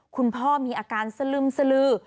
คุณพ่อมีอาการสลึมสลือ